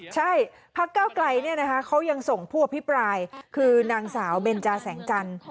ใช่พักเก้าไกลเขายังส่งผู้อภิปรายคือนางสาวเบนจาแสงจันทร์